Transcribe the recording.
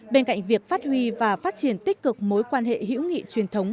bên cạnh việc phát huy và phát triển tích cực mối quan hệ hữu nghị truyền thống